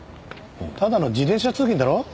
ただの自転車通勤だろ。